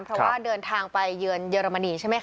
เพราะว่าเดินทางไปเยือนเยอรมนีใช่ไหมค